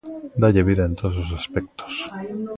Dálle vida en todos os aspectos.